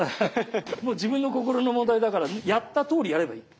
もう自分の心の問題だからやったとおりやればいい。